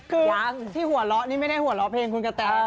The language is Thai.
คืออย่างที่หัวเราะนี่ไม่ได้หัวเราะเพลงคุณกะแต